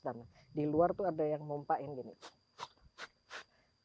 dan di luar tuh ada yang memompak yang begini